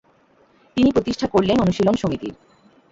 তিনি প্রতিষ্ঠা করলেন অনুশীলন সমিতির।